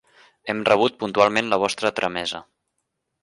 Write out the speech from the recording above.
Hem rebut puntualment la vostra tramesa.